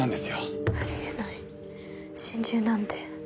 ありえない心中なんて。